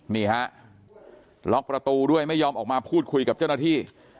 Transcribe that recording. นี่ฮะล็อกประตูด้วยไม่ยอมออกมาพูดคุยกับเจ้าหน้าที่